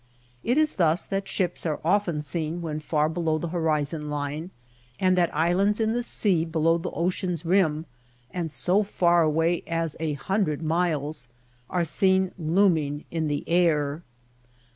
It is thus that ships are often seen when far below the horizon line, and that islands in the sea be low the ocean's rim, and so far away as a hun dred miles, are seen looming in the air.